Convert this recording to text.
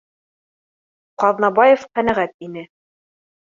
Ҡаҙнабаев ҡәнәғәт ине: